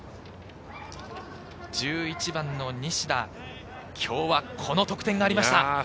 １１番の西田、今日はこの得点がありました。